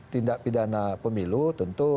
tindak pidana pemilu tentu